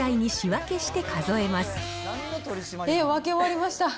分け終わりました。